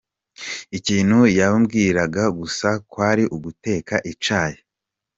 Ikintu yambwiraga gusa kwari uguteka icyayi.